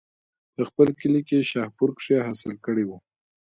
پۀ خپل کلي شاهپور کښې حاصل کړے وو